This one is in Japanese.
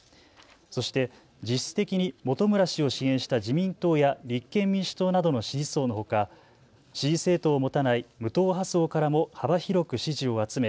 そして実質的に本村氏を支援した自民党や立憲民主党などの支持層のほか、支持政党を持たない無党派層からも幅広く支持を集め